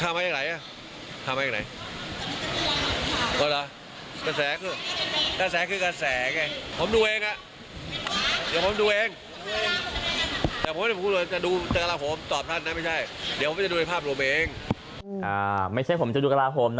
ไม่ใช่ผมจะดูกระทรวงกลาโฮมนะเดี๋ยวผมจะดูภาพรวมเอง